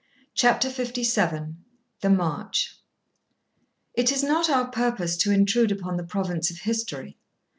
CHAPTER LVII THE MARCH It is not our purpose to intrude upon the province of history.